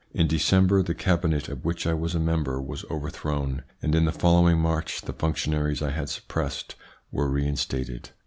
In De cember the Cabinet of which I was a member was overthrown, and in the following March the functionaries I had suppressed were reinstated."